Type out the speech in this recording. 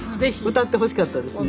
歌ってほしかったですね。